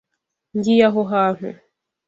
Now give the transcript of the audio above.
Ngiye aho hantu.